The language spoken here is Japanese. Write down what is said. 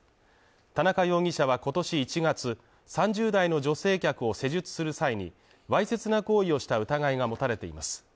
田中容疑者は今年１月、３０代の女性客を施術する際にわいせつな行為をした疑いが持たれています。